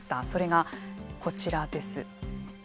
それがこちらです。